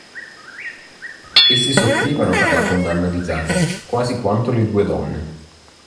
Essi soffrivano per la condanna di Gianni, quasi quanto le due donne.